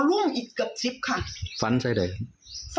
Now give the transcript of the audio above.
ขณะเดียวกันคุณอ้อยคนที่เป็นเมียฝรั่งคนนั้นแหละ